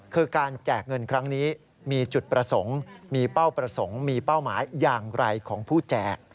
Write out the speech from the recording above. คือการแจกเงินครั้งนี้มีจุดประสงค์มีเป้าประสงค์มีเป้าหมายอย่างไรของผู้แจก